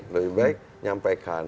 lebih baik nyampaikan